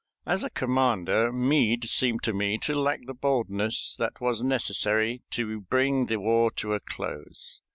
As a commander, Meade seemed to me to lack the boldness that was necessary to bring the war to a close.